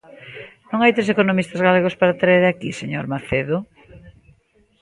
¿Non hai tres economistas galegos para traer aquí, señor Macedo?